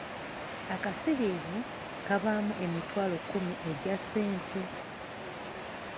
Akasiriivu kabaamu emitwalo kkumi egya ssente.